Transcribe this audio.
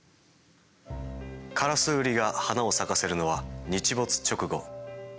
カラスウリが花を咲かせるのは日没直後。